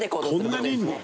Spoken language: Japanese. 「こんなにいるの？」